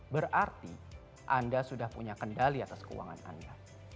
berarti anda sudah punya kendali atas keuangan anda